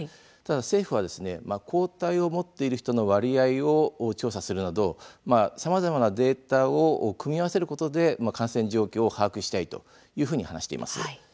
政府は抗体を持っている人の割合の調査をするなどさまざまなデータを組み合わせることで感染状況を把握したいというふうに話しています。